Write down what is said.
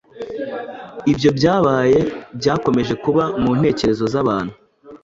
ibyo byabaye byakomeje kuba mu ntekerezo z’abantu